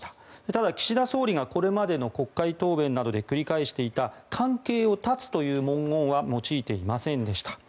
ただ岸田総理がこれまでの国会答弁などで繰り返していた関係を断つという文言は用いていませんでした。